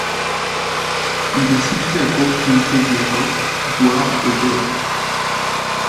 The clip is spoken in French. Il est situé à proximité du Rhin, voire au bord.